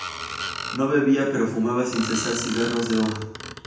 No bebía, pero fumaba sin cesar cigarros de hoja.